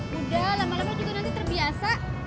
udah lama lama juga nanti terbiasa